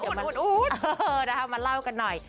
เออนะคะมาเล่ากันหน่อย